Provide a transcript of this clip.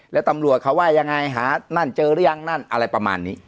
แล้วตำรวจเขาว่ายังไงหานั่นเจอหรือยังนั่นอะไรประมาณนี้